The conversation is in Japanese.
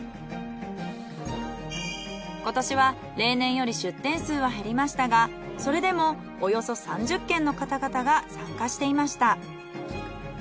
今年は例年より出店数は減りましたがそれでもおよそ３０軒の方々が参加していました。